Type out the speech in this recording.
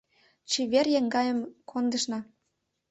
Чевер еҥгайым кондышна